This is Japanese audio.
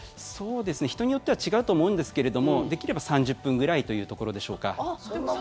人によっては違うと思うんですけれどもできれば３０分ぐらいというところでしょうか。